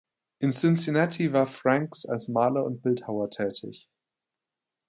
In Cincinnati war Franks als Maler und Bildhauer tätig.